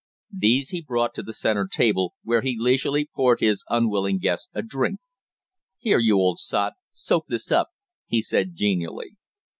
These he brought to the center table, where he leisurely poured his unwilling guest a drink. "Here, you old sot, soak this up!" he said genially.